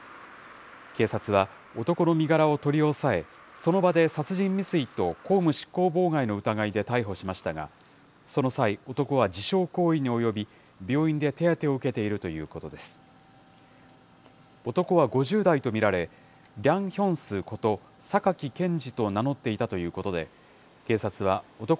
警察は、男の身柄を取り押さえ、その場で殺人未遂と公務執行妨害の疑いで逮捕しましたが、その際、男は自傷行為に及び、病院で手当てを受けているということです。